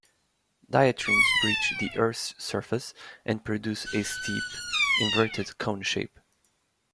Diatremes breach the Earth's surface and produce a steep inverted cone shape.